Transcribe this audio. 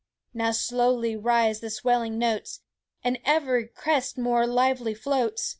Now slowly rise the swelling notes, And every crest more lively floats.